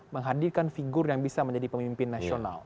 menghadirkan figur yang bisa menjadi pemimpin nasional